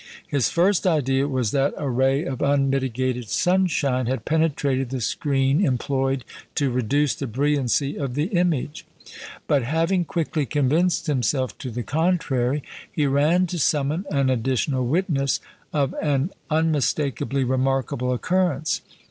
His first idea was that a ray of unmitigated sunshine had penetrated the screen employed to reduce the brilliancy of the image; but, having quickly convinced himself to the contrary, he ran to summon an additional witness of an unmistakably remarkable occurrence.